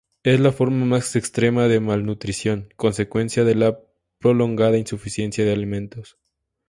Es la forma más extrema de malnutrición, consecuencia de la prolongada insuficiencia de alimentos.